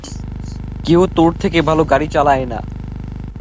কেউ তোর থেকে ভালো গাড়ি চালায় না।